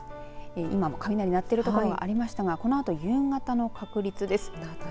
今も雷が鳴っている所がありましたがこのあと夕方の確率です。